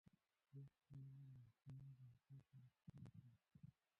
لوستې میندې د ماشومانو د روغتیا په اړه پوښتنې کوي.